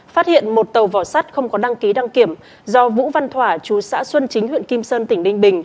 phát hiện một tàu vỏ sắt không có đăng ký đăng kiểm do vũ văn thỏa chú xã xuân chính huyện kim sơn tỉnh ninh bình